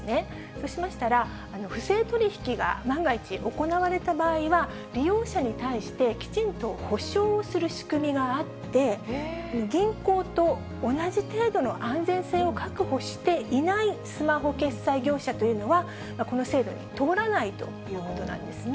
そうしましたら、不正取り引きが万が一行われた場合は、利用者に対して、きちんと保証する仕組みがあって、銀行と同じ程度の安全性を確保していないスマホ決済業者というのは、この制度に通らないというものなんですね。